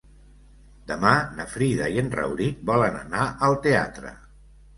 Demà na Frida i en Rauric volen anar al teatre.